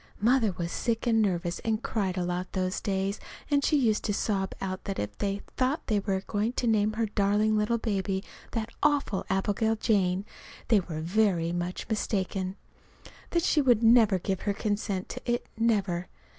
Mother was sick and nervous, and cried a lot those days, and she used to sob out that if they thought they were going to name her darling little baby that awful Abigail Jane, they were very much mistaken; that she would never give her consent to it never.